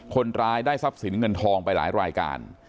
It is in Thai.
คนร้ายได้ทรัพย์สินเงินทองไปหลายรายการ